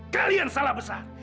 kalian salah besar